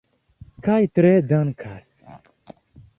Kaj tre dankas.